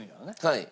はい。